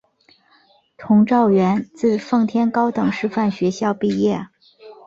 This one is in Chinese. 佟兆元自奉天高等师范学校毕业。